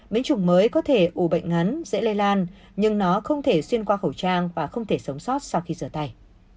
biến chủng mới có thể ủ bệnh ngắn dễ lây lan nhưng nó không thể xuyên qua khẩu trang và không thể sống sót sau khi rửa tay